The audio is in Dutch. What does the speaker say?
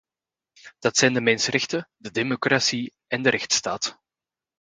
Dat zijn de mensenrechten, de democratie en de rechtsstaat.